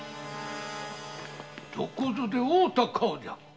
どこぞで会うた顔じゃが？